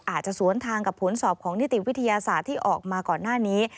อาจจะสวนทางกับผลสอบของนิติวิทยาศาสตร์ที่ออกมาก่อนหน้านี้